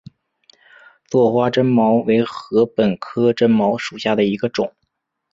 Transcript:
座花针茅为禾本科针茅属下的一个种。